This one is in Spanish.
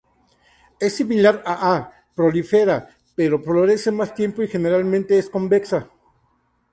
Es similar a "A. prolifera" pero florece más tiempo y generalmente es convexa.